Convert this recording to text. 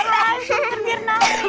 masuk terakhir nanti ya